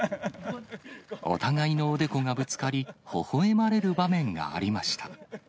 お互いのおでこがぶつかり、ほほえまれる場面がありました。